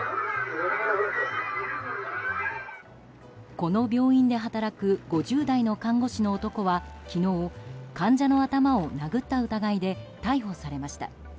この病院で働く５０代の看護師の男は昨日患者の頭を殴った疑いで逮捕されました。